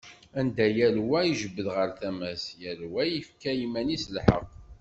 Anda yal wa ijebbed ɣer tama-s, yal wa yefka i yiman-is lḥeqq.